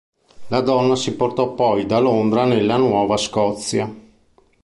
La donna si portò poi da Londra nella Nuova Scozia.